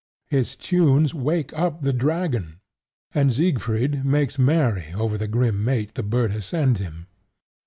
His tunes wake up the dragon; and Siegfried makes merry over the grim mate the bird has sent him.